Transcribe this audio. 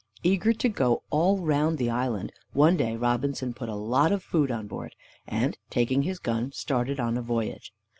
Eager to go all round the island, one day Robinson put a lot of food on board, and, taking his gun, started on a voyage.